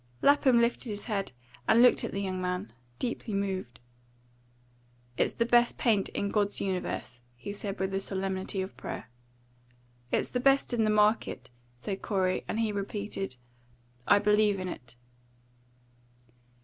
Lapham lifted his head and looked at the young man, deeply moved. "It's the best paint in God's universe," he said with the solemnity of prayer. "It's the best in the market," said Corey; and he repeated, "I believe in it."